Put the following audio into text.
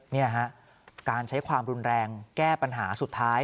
นี่ฮะการใช้ความรุนแรงแก้ปัญหาสุดท้าย